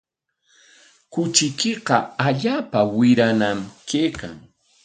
Kuchiykiqa allaapa wirañam kaykan.